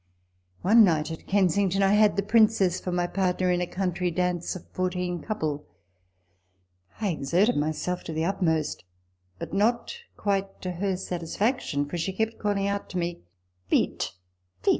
i One night, at Kensington, I had the Princess for my partner in a country dance of fourteen couple. I exerted myself to the utmost ; but not quite to her satisfaction, for she kept calling out to me, " Vite, vite